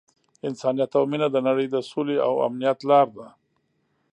انسانیت او مینه د نړۍ د سولې او امنیت لاره ده.